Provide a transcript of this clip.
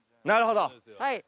なるほど。